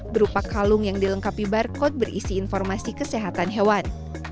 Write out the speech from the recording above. berupa kalung yang dilengkapi barcode berisi informasi kesehatan hewan